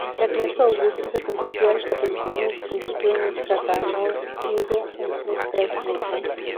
Ernesto Augusto se convirtió al catolicismo y se convirtió en canónigo en Estrasburgo.